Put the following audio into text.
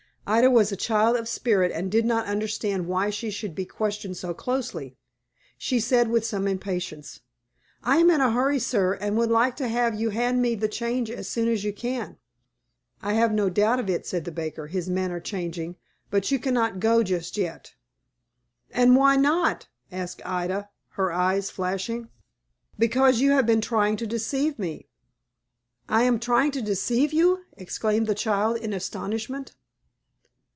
Ida was a child of spirit, and did not understand why she should be questioned so closely. She said, with some impatience, "I am in a hurry, sir, and would like to have you hand me the change as soon as you can." "I have no doubt of it," said the baker, his manner changing; "but you cannot go just yet." "And why not?" asked Ida, her eyes flashing. "Because you have been trying to deceive me." "I trying to deceive you!" exclaimed the child, in astonishment.